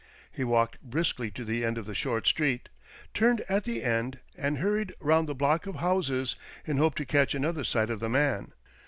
He walked briskly to the end of the short street, turned at the end, and hurried round the block of houses, in hope to catch another sight of the man.